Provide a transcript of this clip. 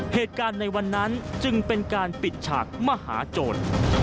เหตุการณ์ในวันนั้นจึงเป็นการปิดฉากมหาโจร